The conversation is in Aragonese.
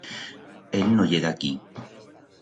Él no ye d'aquí.